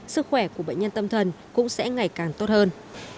sức khỏe của bệnh nhân tâm thần cũng sẽ ngày càng tốt hơn